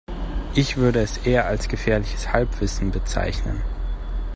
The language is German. Ich würde es eher als gefährliches Halbwissen bezeichnen.